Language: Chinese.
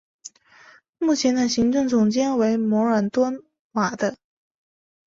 目前的行政总监为摩尔多瓦的。